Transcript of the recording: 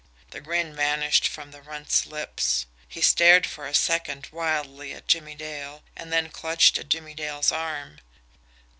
The grin vanished from the Runt's lips. He stared for a second wildly at Jimmie Dale, and then clutched at Jimmie Dale's arm.